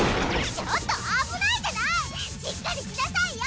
ちょっとあぶないじゃないしっかりしなさいよ！